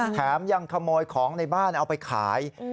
แถมยังขโมยของในบ้านเอาไปขาย